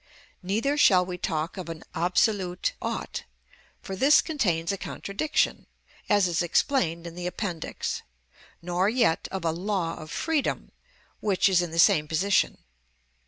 Neither shall we talk of an "absolute ought," for this contains a contradiction, as is explained in the Appendix; nor yet of a "law of freedom," which is in the same position.